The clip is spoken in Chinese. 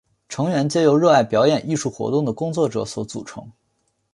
成员皆由热爱表演艺术活动的工作者所组成。